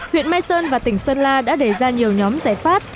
huyện mai sơn và tỉnh sơn la đã đề ra nhiều nhóm giải pháp